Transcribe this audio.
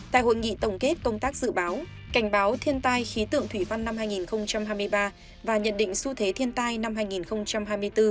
tại hội nghị tổng kết công tác dự báo cảnh báo thiên tai khí tượng thủy văn năm hai nghìn hai mươi ba và nhận định xu thế thiên tai năm hai nghìn hai mươi bốn